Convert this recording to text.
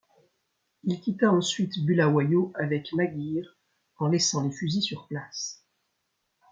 Il quitta ensuite Bulawayo avec Maguire en laissant les fusils sur place.